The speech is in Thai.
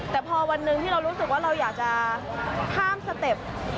แต่พอวันหนึ่งที่เรารู้สึกว่าเราอยากจะข้ามสเต็ป